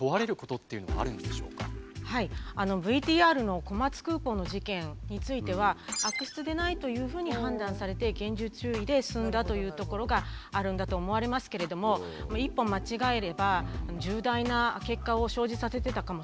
ＶＴＲの小松空港の事件については悪質でないというふうに判断されて厳重注意で済んだというところがあるんだと思われますけれども一歩間違えれば重大な結果を生じさせてたかもしれず。